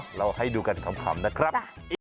เราให้ดูกันขำนะครับ